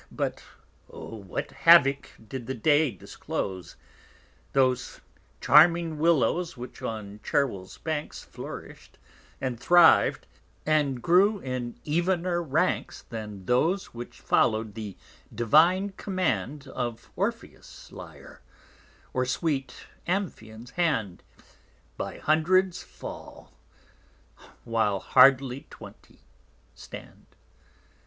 But O, what havock did the Day disclose! Those charming Willows which on_ Cherwel_'s banks Flourish'd, and thriv'd, and grew in evener ranks Than those which follow'd the Divine Command Of_ Orpheus Lyre, or sweet Amphion_'s Hand, By hundreds fall, while hardly twenty stand.